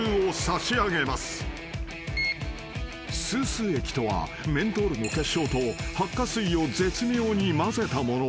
［スースー液とはメントールの結晶とハッカ水を絶妙にまぜたもの］